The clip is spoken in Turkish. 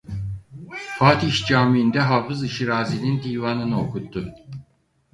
Fatih Camii'nde Hafızı Şirazi'nin divanını okuttu.